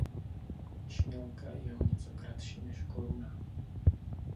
Čnělka je o něco kratší než koruna.